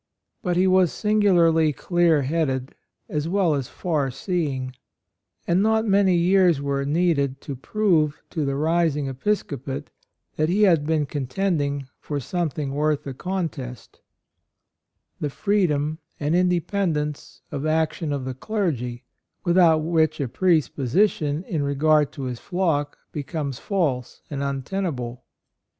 But he was singularly clear headed as well as far seeing ; and not many years were needed to prove to the rising episcopate that he had been contending for something worth a contest — AND MOTHER. 77 the freedom and independence of action of the clergy, without which a priest's position in re gard to his flock becomes false and untenable.